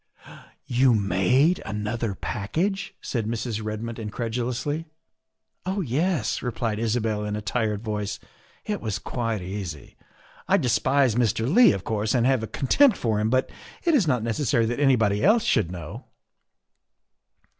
" You made another package?" said Mrs. Red mood incredulously. " Oh, yes," replied Isabel in a tired voice, " it was quite easy. I despise Mr. Leigh, of course, and have a contempt for him, but it is not necessary that anybody else should know."